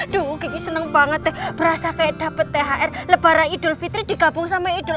duh kiki seneng banget deh berasa kayak dapet thr lebaran idul fitri digabung sama idul